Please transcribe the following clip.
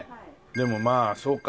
でもまあそうか。